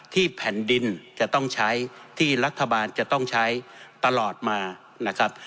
แผ่นดินจะต้องใช้ที่รัฐบาลจะต้องใช้ตลอดมานะครับ